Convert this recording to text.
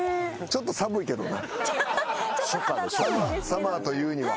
サマーというには。